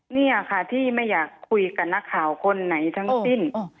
นี่ค่ะที่ไม่อยากคุยกับนักข่าวคนไหนทั้งสิ้น